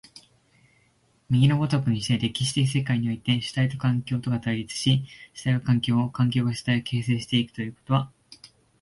右の如くにして、歴史的世界において、主体と環境とが対立し、主体が環境を、環境が主体を形成し行くということは、